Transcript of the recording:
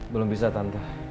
belum bisa tante